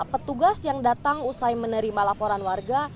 petugas yang datang usai menerima laporan warga